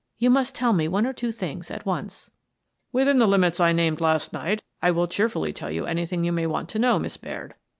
You must tell me one or two things at once." "Within the limits I named last night, I will cheerfully tell you anything you may want to know, Miss Baird.